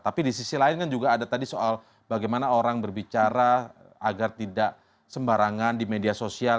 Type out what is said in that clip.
tapi di sisi lain kan juga ada tadi soal bagaimana orang berbicara agar tidak sembarangan di media sosial